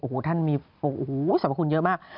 โอ้โหท่านมีโอ้โหสรรพคุณเยอะมาก